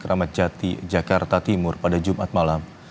kepala rumah sakit polri keramat jati jakarta timur pada jumat malam